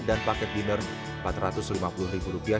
dan paket dinner empat ratus lima puluh rupiah